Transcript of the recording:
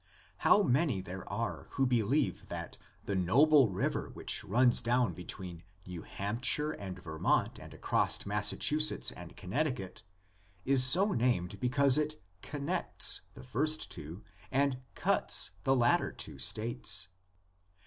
How many there are who believe that the noble river which runs down between New Hampshire and Vermont and across Massachusetts and Connecticut is so named because it "connects" the first two and "cuts" the latter two states!